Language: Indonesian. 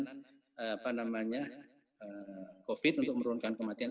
riset untuk pengembangan covid untuk menurunkan kematian